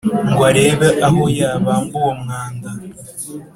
Ngo arebe aho yabamba uwo mwanda